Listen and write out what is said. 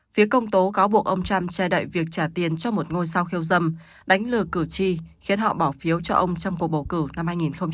phía công tố cáo buộc ông trump che đậy việc trả tiền cho một ngôi sao khiêu dâm đánh lừa cử tri khiến họ bỏ phiếu cho ông trong cuộc bầu cử năm hai nghìn một mươi sáu